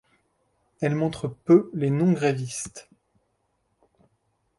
Elle montre peu les non-grévistes.